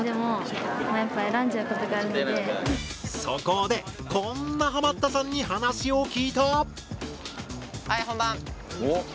そこでこんなハマったさんに話を聞いた！